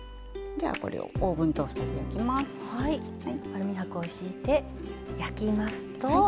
アルミはくを敷いて焼きますと。